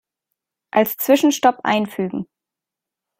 Als Zwischenstopp einfügen.